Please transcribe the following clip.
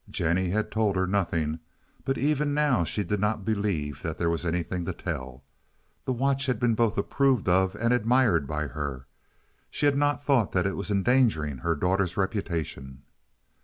Jennie had told her nothing, but even now she did not believe there was anything to tell. The watch had been both approved of and admired by her. She had not thought that it was endangering her daughter's reputation.